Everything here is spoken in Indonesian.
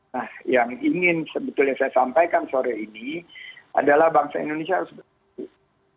nah yang ingin sebetulnya saya sampaikan sore ini adalah bangsa indonesia harus betul betul